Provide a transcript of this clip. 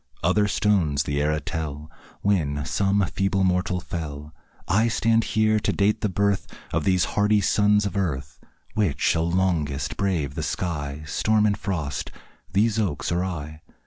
Other stones the era tell When some feeble mortal fell; I stand here to date the birth Of these hardy sons of earth. Which shall longest brave the sky, Storm and frost these oaks or I?